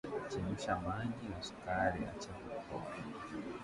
Chemsha maji na sukari acha vipoe